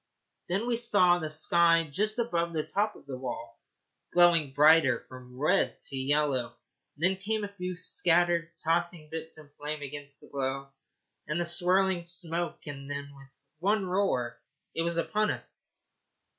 Then we saw the sky just above the top of the wall glowing brighter from red to yellow; then came a few scattered, tossing bits of flame against the glow and the swirling smoke; and then, with one roar, it was upon us.